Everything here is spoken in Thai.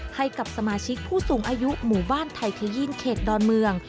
ให้กับสมาชิกผู้สูงอายุหมู่บ้านไทยเทยินเขตดอนเมือง